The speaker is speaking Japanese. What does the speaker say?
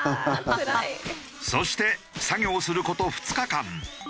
そして作業する事２日間。